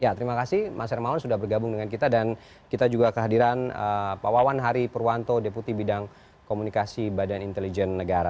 ya terima kasih mas hermawan sudah bergabung dengan kita dan kita juga kehadiran pak wawan hari purwanto deputi bidang komunikasi badan intelijen negara